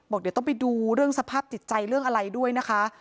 บอกเดี๋ยวต้องไปดูเรื่องสภาพจิตใจเรื่องอะไรด้วยนะคะ